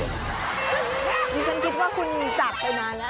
ดิฉันคิดว่าคุณจากไปนานแล้ว